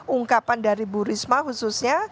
ungkapan dari bu risma khususnya